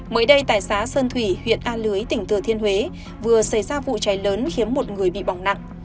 mới đây tại xã sơn thủy huyện a lưới tỉnh thừa thiên huế vừa xảy ra vụ cháy lớn khiến một người bị bỏng nặng